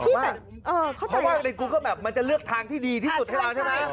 เพราะว่าในกูก็แบบมันจะเลือกทางที่ดีที่สุดให้เราใช่ไหม